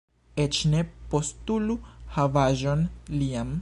Eĉ ne postulu havaĵon lian.